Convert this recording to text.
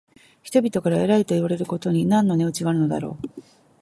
人々から偉いといわれることに何の値打ちがあろう。